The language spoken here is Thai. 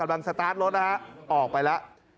ทำไมคงคืนเขาว่าทำไมคงคืนเขาว่า